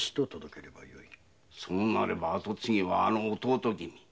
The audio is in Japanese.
そうなれば跡継ぎはあの弟君。